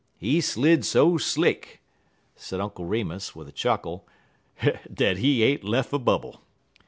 He slid so slick," said Uncle Remus, with a chuckle, "dat he ain't lef' a bubble.